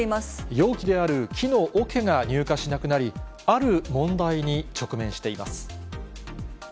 容器である木のおけが入荷しなくなり、ある問題に直面しています。